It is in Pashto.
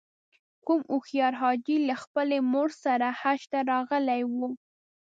کوم هوښیار حاجي له خپلې مور سره حج ته راغلی و.